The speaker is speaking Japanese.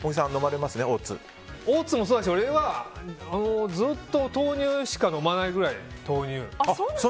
オーツもそうだけど俺は、ずっと豆乳しか飲まないぐらい豆乳。